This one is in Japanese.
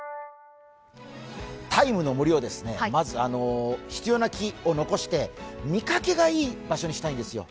「ＴＩＭＥ，の森」をまず、必要な木を残して見かけがいい場所にしたいんですよ。